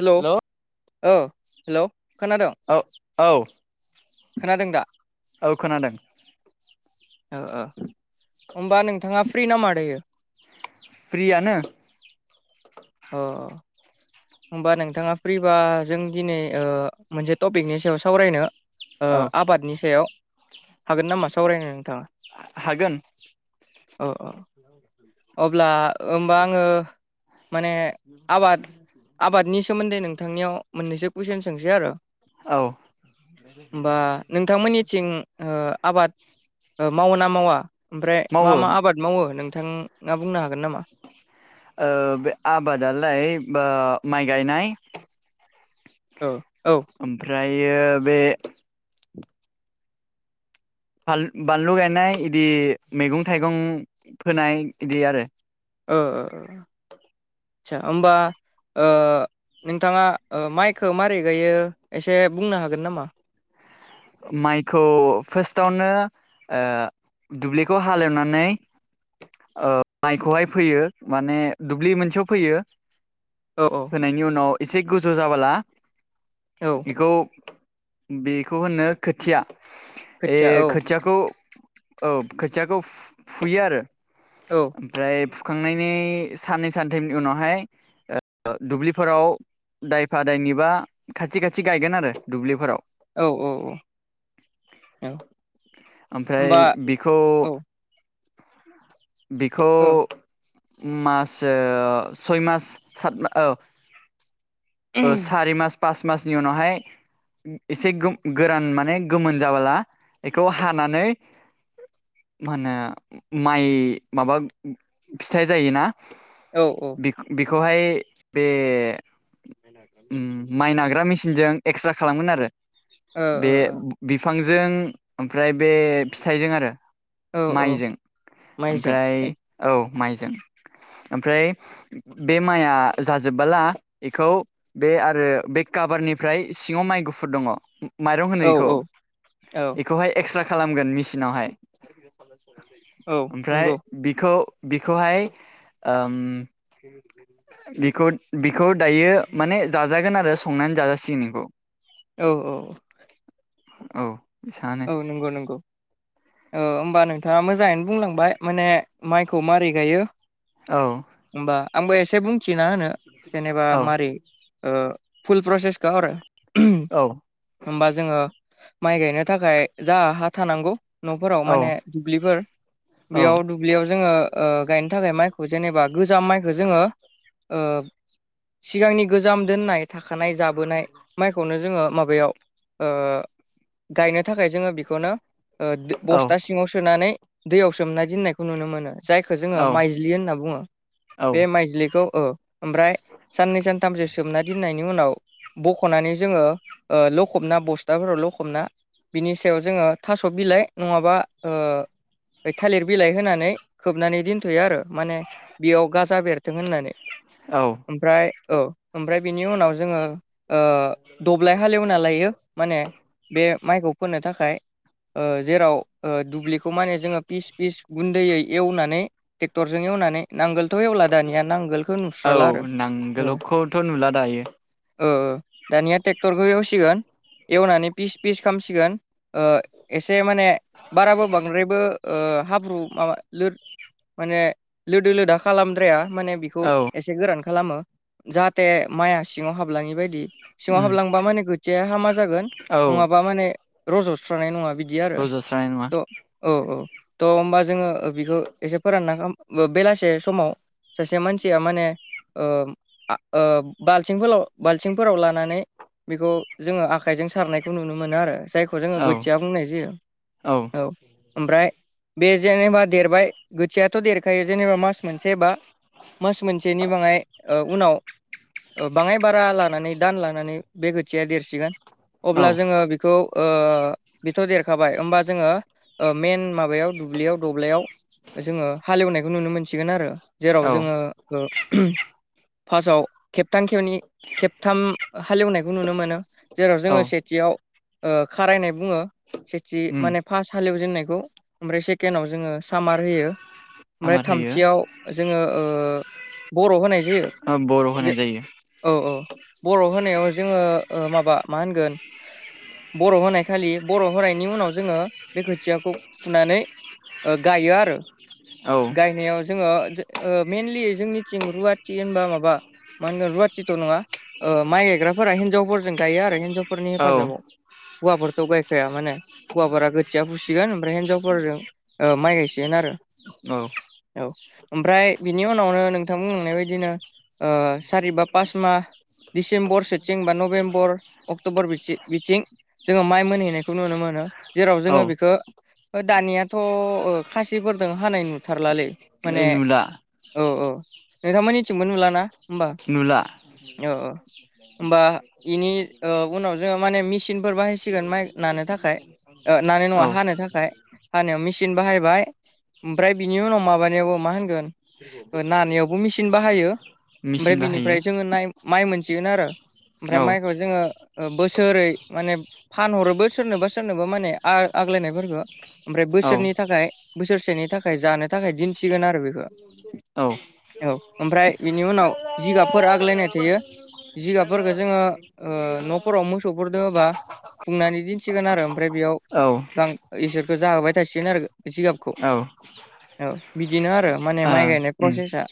Hello औ औ hello खोनादों औ औ खोनादों दा औ खोनादों ओ ओ होमबा नोंथाङा फ्रि ना मादैायो फ्रियानो अ हबा नोंथाङा फ्रिबा जों दिनै मोनसे टपिकनि सायाव सावरायनो ओ औ आबादनि सायाव हागोन नामा सावरायनो नोंथाङा? ओ अ। औ हागोन दे। अब्ला होमबा आङो माने आबाद आबादनि सोमोन्दै नों थांनियाव मोननैसो कुइसन सोंसै आरो। औ होमबा नोंथांमोननिथिं ओ आबाद मावो ना मावा ओमफ्राय मा मावो मा आबाद मावो नोंथां ङा बुंनो हागोन नामा? ओ बे आबादालाय बो माइ गायनाय। ओ। ओमफ्रायो बे फाल बानलु गायनाय इदि मैगं थाइगं फोनाय इदि आरो। ओ ओ ओ सा ओमबा ओ नोंथाङा ओ माइखो मोरै गायो एसे बुंनो हागोन नामा? माइखौ फार्स्टआवनो ओ दुब्लिखौ हालेवनानै ओ माइखौहाय फैयो माने दुब्लि मोनसेयाव फैयो। औ औ। नायनि उनाव एसे गोजौ जाबाला औ एखौ बेख खौ होनो खोथिया ए खोथिया औ खोथिया खौ औ खोथियाखौ फु-फुयो आरो। औ। ओमफ्राय फुखांनायनि साननै सानथेमनि उनावहाय ओ दुब्लिफोराव दायफा दायनिबा खाथि खाथि गायगोन आरो दुब्लिफोराव। औ औ औ ओमफ्राय होमबा बे खौ औ बेखौ औ मासो सय मास सात मा औ। ओ सारि मास पास मासनि उनावहाय एसे गोम गोरान माने गोमोन जाबोला एखौ हानानै मा होनो माइ माबा फिथाइ जायोना औ औ। बेखौहाय बे ओम माइ नाग्रा मेसिनजों एक्स्रा खालामगोन आरो। ओ बे ओ बि-बिफांजों ओमफ्राय बे फिथाइजों आरो। औ औ माइजों माइजों ओमफ्राय औ माइजों ओमफ्राय बे माइआ जाजोबबाला एखौ बे आरो बे काबारनिफ्राय सिङाव माइ गुफ फुर दङ' माइरं होनो औ एखौ। औ एखौहाय एक्स्रा खालामगोन मेसिनावहाय। औ ओमफ्राय नंगौ बिखौ बिखौहाय ओम बिखौ बिखौ दायो माने जाजागोन आरो संनानै जाजासिगोन इखौ। औ औ औ। औ इसान। औ नंगौ नंगौ। ओ होमबा नोंथाङा मोजाङैनो बुंलांबाय माने माइखौ मारै गायो। औ। होमबा आंबो एसे बुंथिना होनो जेनेबा औ मारै ओ फुल प्रसेसखौ आरो। औ। होमबा जोङो माइ गायनो थाखाय जा हा थानांगौ न'फोराव औ माने दुब्लिफोर औ बेयाव दुब्लियाव जोङो ओ गायनो थाखाय माइखौ जेनेबा गोजाम माइखौ जोङो ओ सिगांनि गोजाम दोननाय थाखानाय जाबोनाय माइ खौनो जोङो माबायाव ओ गायनो थाखाय जोङो बेखौनो ओ दो बस्था सिङाव सोनानै दैयाव सोमनाय दोननायखौ नुनो मोनो। जायखौ जोङो औ माइज्लि होनना बुङो। बे औ माइजलिखौ औ ओमफ्राय साननै सानथामसो सोमना दोननायनि उनाव बख'नानै जोङो ओ लखबना बस्थाफोराव लखबना बिनि सायाव जोङो थास' बिलाइ नङाबा ओ थालिर बिलाइ होनानै खोबनानै दोनथ'यो आरो माने बेयाव गाजा बेरथों होननानै औ ओमफ्राय औ ओमफ्राय बिनि उनाव जोङो ओ दब्लाय हालेवना लायो माने बे माइखौ फोनो थाखाय। ओ जेराव ओ दुब्लिखौ माने जोङो फिस फिस गुन्दैयै एवनानै टेक्टरजों एवनानै नांगोलथ' एवला दानिया नांगोलखौ औ नुस्राला आरो औ। नांगोलखौथ' नुला दायो ओ ओ दानिया ट्रेक्टरखौ एवसिगोन एवनानै पिस फिस खालामामसिगोन ओ एसे माने बाराबो बांद्रायबो ओ हाब्रु माबा लो माने लोदो लोदा खालामद्राया माने खौ औ एसे गोरान खालामो जाहाथे माइआ सिङाव हाबलाङि बायदि सिङाव उम हाबलांबा माने खोथिया हामा जागोन औ नङाबा माने रज'स्रानाय नङा बिदि बिदि आरो रज'स्रानाय नङा थ' औ औ थ' होमबा जोङो बिखौ एसे फोरानना खाम गो बेलासे समाव सासे मानसिया माने ओ आ ओ बालथिंफोराव-बालथिंफोराव लानानै बेखौ जोङो आखायजों सारनायखौ नुनो मोनो आरो जाय खौ जोङो औ गोथिय बुंनाय जायो औ। ओमफ्राय बे जेनेबा देरबाय गोथियाथ' देर खायो जेनेबा मास मोनसे बा मास मोनसेनि बाङै उनाव ओ बाङाय बारा लानानै दान लानानै बे खोथिया देरसिगोन अब्ला औ जोङो बे बेखौ ओ बे' देरखाबाय होमबा जोङो ओ मेन माबायाव दुब्लियाव दब्लयाव जोङो हालेवनायखौ नुनो मोनसिगोन आरो जेराव औ जोङो ओ फार्स्टआव खेबथाम खेवनै खेबथाम हालेवनायखौ नुनो मोनो जेराव औ जोङो सेथियाव ओ खारायनाय बुङो सेथि उम माने फास हालेवजेननायखौ ओमफ्राय सेकेनडआव जोङो सामार होयो। ओमफ्राय सामार होयो थामथियाव जोङो ओ बर' होनाय जायो बर' जे होनाय जायो औ औ बर' होनायाव जोङो ओ माबा मा होनगोन बर' होनाय खालि बर' होनायनि उनाव जोङो बे खोथियाखौ फुनानै गायो आरो। औ गायनायाव जोङो ओ मइेनलि जोंनिथिं रुवाथि होनबा माबा मा होनगोन रुवाथिथ' नङा ओ माइ गायग्राफोरा हिनजावफोरजों गायो आरो हिनजाव फोरनि औ हेफाजाबाव हौवाफोरथ' गायखाया माने हौवाफोरा गो थिया फुसिगोन ओमफ्राय हिन्जावफोरजों ओ माइ गायसिगोन आरो। औ औ ओमफ्राय बिनि उनावनो नोंथां बुंनाय बायदिनो ओ सारिबा पास मा दिडिसेम्बर सोथिं बा नभेम्बर अक्ट'बर बिथि-बिथिं जोङो माइ मोनहैनायखौ नुनो मोनो जेराव औ जोङो बेखो ओ दानियाथ' ओ खासिफोरजों हानाय नुथारलालै माने नुला औ औ नोंथांमोननिथिंबो नुला ना? नुला होमबा इनि ओ उनाव जोङो माने मेसिनफोर बाहायसिगोन माइ नानो थाखाय। ओ नानाय नङा औ हानो थाखाय हानायाव मेचिन बाहायबाय ओमफ्राय बिनि उनाव माबानायावबो मा होनगोन नानायावबो मेचिन बाहायो ओमफ्राय मेचिन बाहायो बिनिफ्राय जोङो माइ मोनसिगोन आरो। ओमफ्राय औ माइखौ जोङो ओ बोसोरै माने फानहरोबो सोरनोबा सोरनोबा माने आ-आग्लायनायफोरखौ। ओमफ्राय औ बोसोरनि थाखाय बोसोरसेनि थाखाय जानो थाखाय दिनसिगोन आरो बेखौ। औ औ ओमफ्राय बिनि उनाव जिगाबफोर आग्लायनाय थायो। जिगाबफोरखौ जोङो ओ न'फोराव मोसौफोर दोङोबा बुंनानै दिन्थिगोन आरो ओमफ्राय बेयाव औ इसोरखौ जाहोबाय थासिगोन आरो। जिगाबखौ औ औ बिदिनो आरो माने माइ गायनाय उम प्रसेसा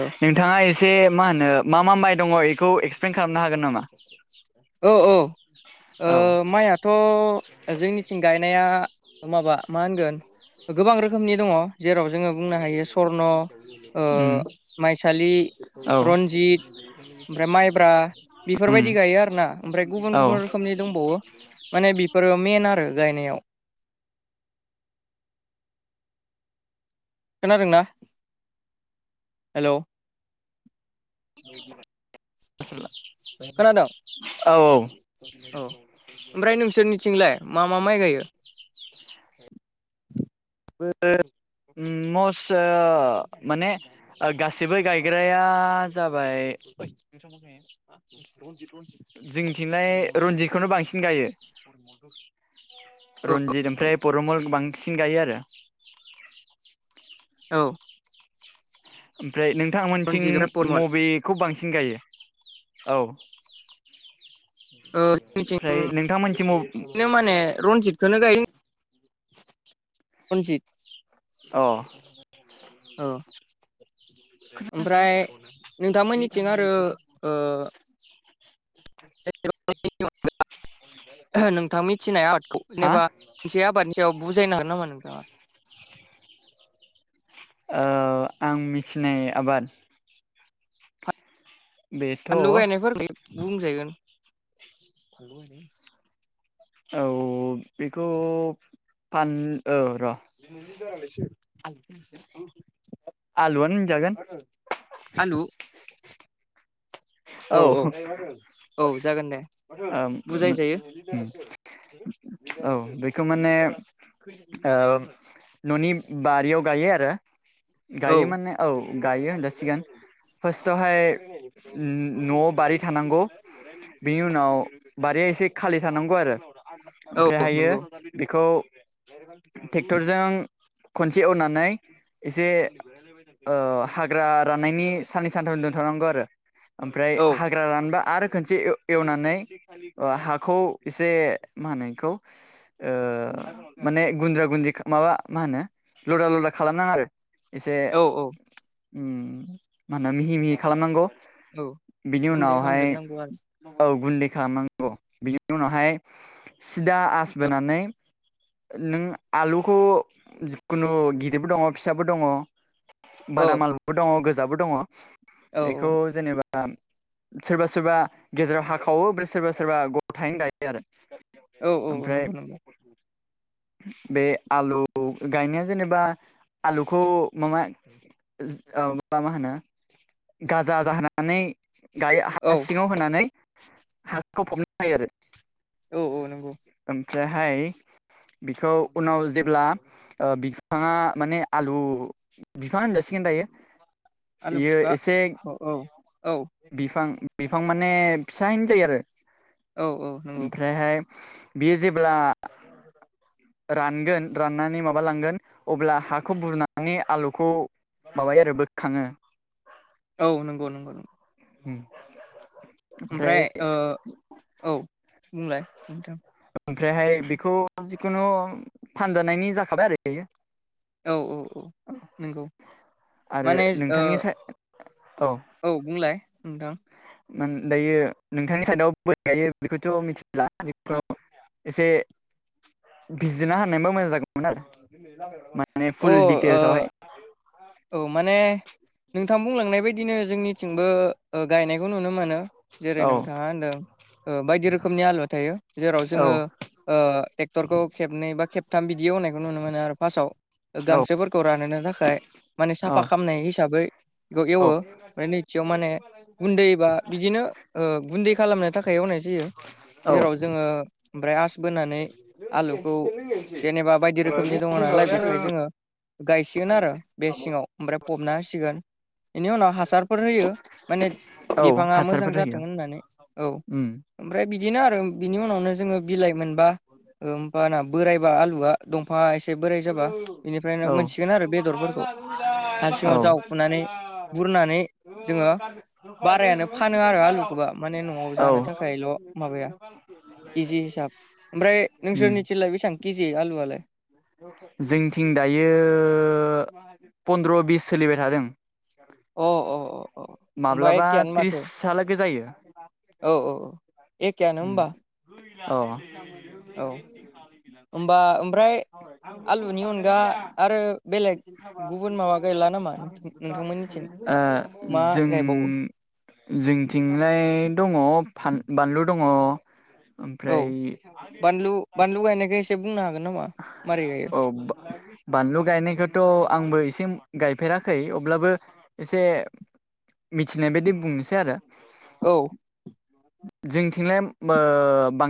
औ नोंथाङा एसे मा होनो मा मा माइ दङ बेखौ एक्सप्लेन खालामनो हागोन नामा। औ औ औ माइया थ' जोंनिथिं गायनाया माबा मा होनगोन गोबां रोखोमनि दङ। जेराव जोङो बुंनो हायो स्वर्न ओ ओम माइसालि रन्जित औ उम ना ओमफ्राय गुबुन औ गुबुन रोखोमनि दंबावो माने बेफोरो मेन आरो गायनायाव। खोनादोंना? हेलौ खोनादों औ औ [unintelligible] औ ओमफ्राय नोंसोरनिथिंलाय मा मा माइ गायो। [unintelligible] मस ओ माने ओ गासिबो गायग्राया जाबाय जोंनिथिंलाय रनजितखौनो बांसिन गायो। रनजित ओमफ्राय परमल बांसिन गायो आरो। [unintelligible] औ ओमफ्राय नोंथांमोनथिं रनजित ओमफ्राय परमल मबेखौ बांसिन गायो औ ओ जोंनिथिं ओमफ्राय नोंथांमोनिथिं म बिदिनो माने रनजितखौनो गायो। रनजित अ औ ओमफ्राय नोंथांमोनिथिं आरो ओ [unintelligible] नोंथां मिथिनाय आबादखौ हा जेनेबा मोनसे आबादनि सायाव बुजायनो हागोन नामा नोंथाङा। औ आं मिथिनाय आबाद बेथ' औ फानलु गायनायफोरखै बुंजायगोन। फानलु गायनाय औ बेखौ फान औ र' आलुआनो होनजागोन। आलु औ औ जागोन दे ओम बुजायजायो औ बेखौ माने ओ न'नि बारियाव गायो आरो। गायो मोने औ गायो होनजासिगोन फार्स्टआव हाय उम न'आव बारि थानांगौ बेनि उनाव बारिया एसे खालि थानांगौ आरो औ ओमफ्रायहायो नंगौ बेखौ ट्रेक्टरजों खनसे एवनानै एसे ओ हाग्रा राननायनि साननै सानथाम दोनथ'नांगौ आरो ओमफ्राय औ हा गोरान रानबा आरो खनसे एव-एवनानै ओ हाखौ एसे मा होनो एखौ ओ माने गुन्द्रा-गुन्द्रि माबा मा होनो लदा लदा खालामनाङा आरो एसे औ औ उम मा होनो मिहि-मिहि खालामनांगौ औ बिनि गुन्दै उनावहाय खालामजोबनांगौ आरो औ गन्दै खालामनांगौ बिनि उनावहाय सिदा आसबोनानै नों आलुखौ जिखुनु गिदिरबो दङ फिसाबो दङ औ बादाम आलुबो दङ गोजाबो दङ औ बेखौ जेनेबा सोरबा सोरबा गेजेराव हाखावो ओमफ्राय सोरबा सोरबा गथायैनो गायो आरो। औ औ ओमफ्राय नंगौ नंगौ बे आलु गायनाया जेनेबा आलुखौ माबा औ मा मा होनो गाजा जाहोना नानै गायो औ हा सिङाव होनानै हाखौ फब आरो औ औ नंगौ आमफ्राय हाय बिखौ उनाव जेब्ला ओ बिफाङा माने आलु बिफा होनजासिगोन दायो आलु इयो फिफा एसे औ औ औ बिफां बिफां माने फिसायैनो जायो आरो औ औ नंगौ ओमफ्रायहाय बियो जेब्ला रानगोन राननानै माबा लांगोन अब्ला हाखौ बुरनानै आलुखौ माबायो आरो बोखाङो औ नंगौ नंगौ नंगौ उम ओमफ्राय ओ औ बुंलाय नोंथां। ओमफ्रायहाय बेखौ जिखुनु फानजानायनि जाखाबाय आरो बेयो औ औ औ नोंगौ आरो माने ओ नोंथांनि साइ औ बुंलाय नोंथां मा होनो दायो नोंथांनि साइडआव बोरै गायो बेखौथ' मिथिला आथिखालाव एसे बिजिरना होनायबा मोजां जागौमोन आरो मा ने अ ओ फुल दिटेलस आव हाय औ माने नोंथां बुंलांनाय बायदिनो जोंनिथिंबो ओ गायनायखौ नुनो मोनो। जेरै औ नोंथाङा होनदों ओ बायदि रोखोमनि आलुवा थायो जेराव जोङो ओ ट्रेक्टरखौ खेबनै बा खेबथाम बिदि एवनायखौ नुनो मोनो आरो फास्टआव ओ औ गांसोफोरखौ रानहोनो थाखाय माने साफा औ खालामनाय हिसाबै बेखौ एवो औ ओमफ्राय नैथियाव माने गुन्दैबा बिदिनो ओ गुन्दै खालामनो थाखाय एवनाय जायो। औ जेराव जोङो ओमफ्राय आस बोनानै आलुखौ जेनेबा बायदि रोखोमनि दङ नालाय बेखाय जोङो गायसिगोन आरो बे सिङाव ओमफ्राय फबना होसिगोन एनि उनाव हासारफोर होयो माने औ बिफाङा मोजां हासारफोर होयो जाथों होननानै। औ उम ओमफ्राय बिदिनो आरो बिनि उनावनो जोङो बिलाइ मोनबा होमबाना बोरायबा आलुआ दंफाङा एसे बोराय जाबा इनिफ्रायनो औ मोनसिगोन आरो बेदरफोरखौ। हा सिङाव जावखुनानै बुरनानै जोङो बारायानो औ फानो आरो आलुखौबा माने न'आव जानो थाखायल' माबाया केजि हिसाब औ ओमफ्राय उम नोंसोरनिथिलाय बेसेबां के जि आलुआलाय? जोंथिं दायो फन्द्र', बिस सोलिबाय थादों। अ अ अ होनोमबा माब्लाबा एखेयानो माथो त्रिसहालागै जायो औ औ औ एखेयानो होमबा औ औ होमबा ओमफ्राय आलुनि अनगा आरो बेलेग गुबुन माबा गैला नामा नोंथां ओ जों गायबावो जोंथिंलाय दङ बानलु दङ औ ओमफ्राय बानलु बानलु गायनायखौ एसे बुंनो हागोन नामा मारै गायो औ बानलु गायनायखौथ' आंबो एसे गायफेराखै अब्लाबो एसे मिथिनाय बायदि बुंनोसै आरो औ जोंथिंलाय बां